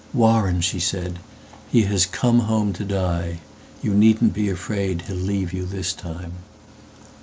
"Warren," she said, "he has come home to die:You needn't be afraid he'll leave you this time."